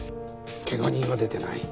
怪我人は出てない。